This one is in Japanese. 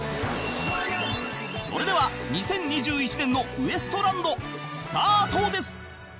それでは２０２１年のウエストランドスタートです